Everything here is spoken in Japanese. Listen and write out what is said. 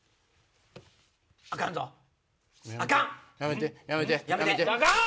あかんぞ！